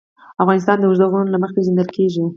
افغانستان د اوږده غرونه له مخې پېژندل کېږي.